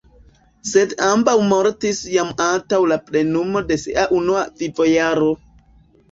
Sed ambaŭ mortis jam antaŭ la plenumo de sia unua vivojaro.